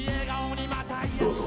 どうぞ。